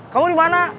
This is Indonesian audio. kamu di mana